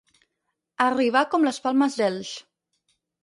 Arribar com les palmes d'Elx.